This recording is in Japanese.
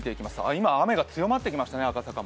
今、赤坂も雨が強まってきました。